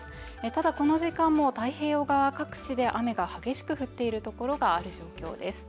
ただこの時間も太平洋側各地で雨が激しく降っているところがある状況です。